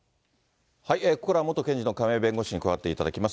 ここからは元検事の亀井弁護士に加わっていただきます。